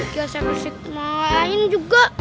gak sampe sik malahin juga